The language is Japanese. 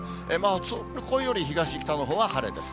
そこより北、東、のほうは晴れです。